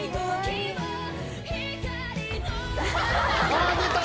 あ出た！